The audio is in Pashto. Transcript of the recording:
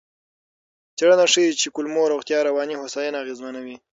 څېړنه ښيي چې کولمو روغتیا رواني هوساینه اغېزمنوي.